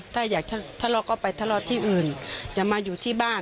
ถ้าอยากจะทะเลาะก็ไปทะเลาะที่อื่นจะมาอยู่ที่บ้าน